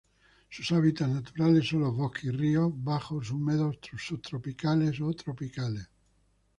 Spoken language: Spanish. Sus hábitats naturales son los bosques y ríos bajos húmedos subtropicales o tropicales.